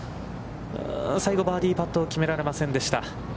最後、バーディーパットを決められませんでした。